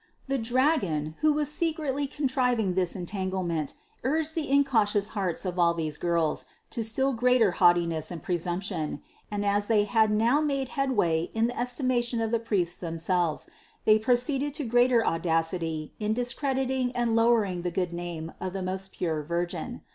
The dragon, who was secretly contriving this entanglement, urged the incautious hearts of all these girls to still greater haugh tiness and presumption, and as they had now made head way in the estimation of the priests themselves, they pro ceeded to greater audacity in discrediting and lowering the good name of the most pure Virgin.